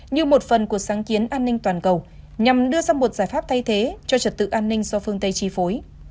như một phần của sáng kiến an ninh toàn cầu nhằm đưa ra một giải pháp thay thế cho trật tự an ninh do phương tây chi phối